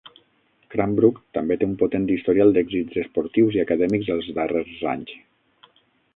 Cranbrook també té un potent historial d'èxits esportius i acadèmics els darrers anys.